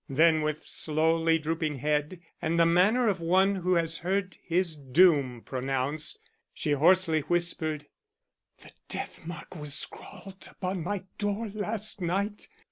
Then with slowly drooping head, and the manner of one who has heard his doom pronounced, she hoarsely whispered; "The death mark was scrawled upon my door last night.